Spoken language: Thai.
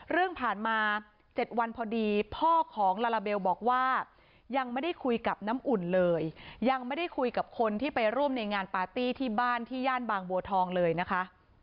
เรื่องผ่านมา๗วันพอดีพ่อของลาลาเบลบอกว่ายังไม่ได้คุยกับน้ำอุ่นเลยยังไม่ได้คุยกับคนที่ไปร่วมในงานปาร์ตี้ที่บ้านที่ย่านบางบัวทองเลยนะคะ